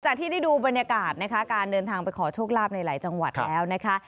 ที่ได้ดูบรรยากาศนะคะการเดินทางไปขอโชคลาภในหลายจังหวัดแล้วนะคะ